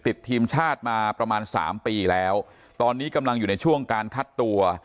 ติดทีมชาติมาประมาณสามปีแล้วตอนนี้กำลังอยู่ในช่วงการคัดตัว